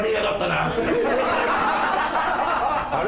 あれ？